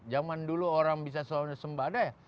zaman dulu orang bisa suasembada ya